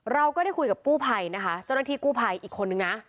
เราก็ได้คุยกับกู้ภัยนะคะเจ้าหน้าที่กู้ภัยอีกคนนึงนะ